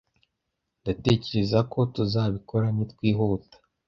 Ndatekereza ko tuzabikora nitwihuta.